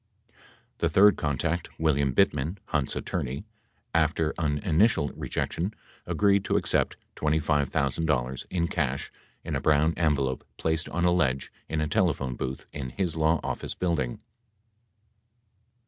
75 The third contact, William Bittman, Hunt's attorney, after an initial rejection, agreed to accept $25,000 in cash in a brown envelope placed on a ledge in a telephone booth in his law office build ing.